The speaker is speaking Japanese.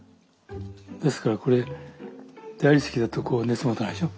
ですからこれ大理石だとこう熱持たないでしょ。